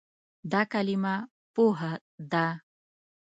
دا کلمه "پوهه" ده.